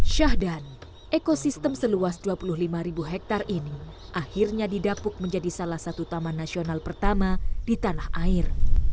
syahdan ekosistem seluas dua puluh lima ribu hektare ini akhirnya didapuk menjadi salah satu taman nasional pertama di tanah air